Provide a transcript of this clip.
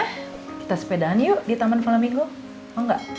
kita sepeda an yuk di taman palaminggo mau nggak